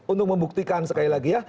untuk membuktikan sekali lagi ya